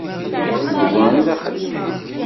D wa i d axeddim!